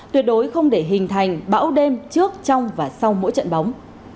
tuyệt đối không để hình thành bão đêm trước trong và sau mỗi trận bóng